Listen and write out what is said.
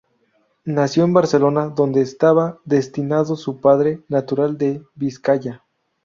Nació en Barcelona, donde estaba destinado su padre, natural de Vizcaya.